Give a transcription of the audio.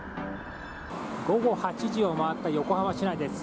午後８時を回った横浜市内です。